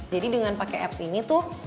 jadi dengan pakai apps ini tuh